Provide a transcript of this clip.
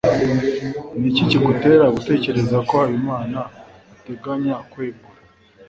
ni iki kigutera gutekereza ko habimana ateganya kwegura